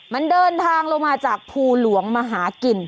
มันเดินทางลงมาจากภูหลวงมาหากิน